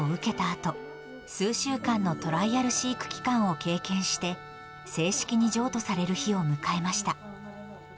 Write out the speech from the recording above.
あと、数週間のトライアル飼育期間を経験して、正式に譲渡される日を迎えました。